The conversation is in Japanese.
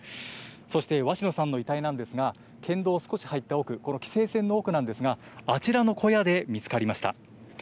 そして鷲野さんの遺体なんですが、県道を少し入った奥、この規制線の奥なんですが、あちらの小屋で見つかりました。